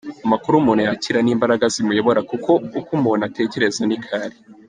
Amakuru umuntu yakira ni imbaraga zimuyobora, kuko uko umuntu atekereza niko ari.